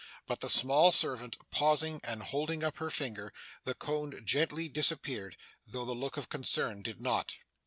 But the small servant pausing, and holding up her finger, the cone gently disappeared, though the look of concern did not.